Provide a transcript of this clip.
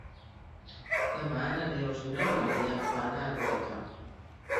Demà na Neus i n'Eulàlia van a Arbeca.